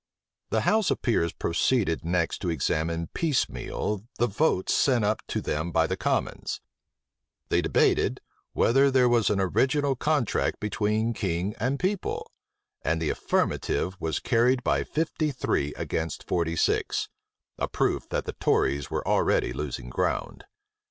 The house of peers proceeded next to examine piecemeal the votes sent up to them by the commons. They debated, "Whether there were an original contract between king and people?" and the affirmative was carried by fifty three against forty six: a proof that the tories were already losing ground.